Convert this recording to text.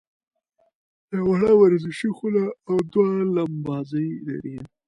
یوه وړه ورزشي خونه او دوه لمباځي لري.